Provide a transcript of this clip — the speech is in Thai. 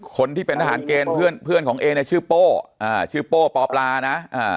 คนที่เป็นทหารเกณฑ์เพื่อนของเอเนี่ยชื่อโป้ชื่อโป้ปอบลานะ